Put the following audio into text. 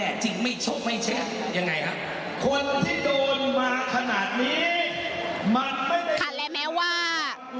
คนมาขนาดนี้สายแม่ว่า